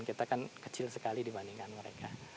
kita kan kecil sekali dibandingkan mereka